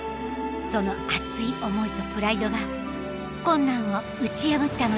その熱い思いとプライドが困難を打ち破ったのです。